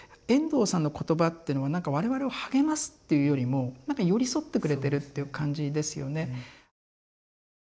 遠藤さんの言葉ってのはなんか我々を励ますっていうよりもなんか寄り添ってくれてるっていう感じですよね。